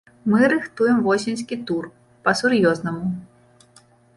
Мы рыхтуем восеньскі тур, па-сур'ёзнаму.